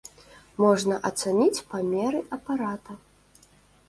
Можна ацаніць памеры апарата.